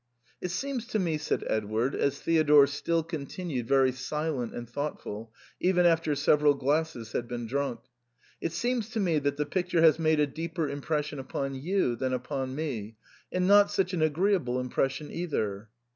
" It seems to me," said Edward, as Theodore still continued very silent and thoughtful, even after sev eral glasses had been drunk, " it seems to me that the picture has made a deeper impression upon you than upon me, and not such an agreeable impression either."